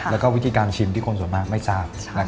แล้วก็วิธีการชิมที่คนส่วนมากไม่ทราบ